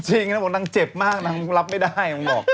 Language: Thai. จริงนางบอกเจ็บมากนางรับไปได้บอก